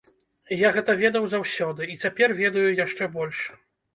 Я гэта ведаў заўсёды, і цяпер ведаю яшчэ больш.